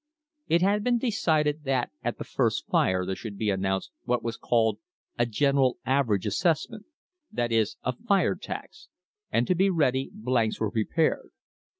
It had been decided that at the first fire there should be announced what was called a "general average assessment,"! THE BIRTH OF AN INDUSTRY that is, a fire tax, and to be ready, blanks had been prepared.